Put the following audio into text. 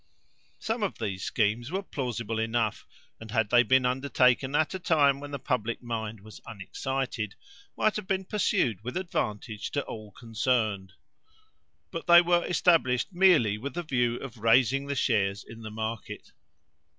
Some of these schemes were plausible enough, and, had they been undertaken at a time when the public mind was unexcited, might have been pursued with advantage to all concerned. But they were established merely with the view of raising the shares in the market.